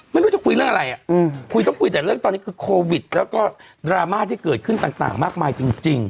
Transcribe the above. ไม่รู้จะคุยเรื่องอะไรคุยต้องคุยแต่เรื่องตอนนี้คือโควิดแล้วก็ดราม่าที่เกิดขึ้นต่างมากมายจริง